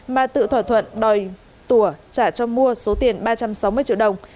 mà tự thỏa thuận đòi trả cho mua số tiền ba trăm sáu mươi triệu đồng